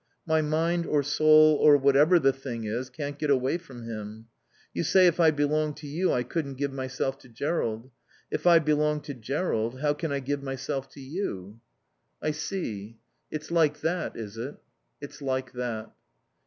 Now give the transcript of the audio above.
My mind, or soul, or whatever the thing is, can't get away from him.... You say if I belonged to you I couldn't give myself to Jerrold. If I belong to Jerrold, how can I give myself to you?" "I see. It's like that, is it?" "It's like that."